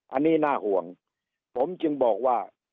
อันนี้น่าห่วงผมจึงบอกว่า